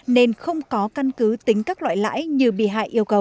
nên không có căn cứ tính các loại lãi như bị hại yêu cầu